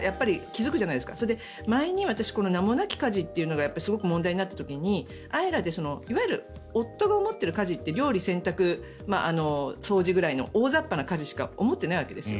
それで前に、私名もなき家事というのがすごく問題になった時に「ＡＥＲＡ」でいわゆる夫が思っている家事って料理、洗濯、掃除ぐらいの大雑把な家事しか思っていないわけですよ。